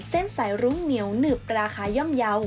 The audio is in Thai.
เส้นสายรุ้งเหนียวหนึบราคาย่อมเยาว์